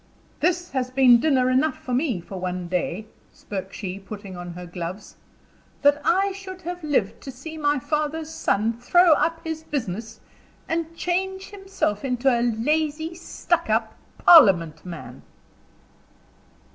"This has been dinner enough for me for one day," spoke she, putting on her gloves. "That I should have lived to see my father's son throw up his business, and change himself into a lazy, stuck up parliament man!"